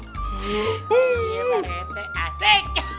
ini barete asik